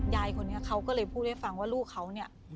ยายคนนี้เขาก็เลยพูดให้ฟังว่าลูกเขาเนี่ย